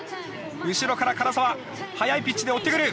後ろから唐澤速いピッチで追ってくる！